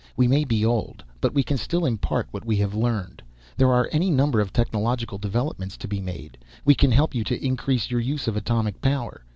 We may be old, but we can still impart what we have learned. There are any number of technological developments to be made. We can help you to increase your use of atomic power.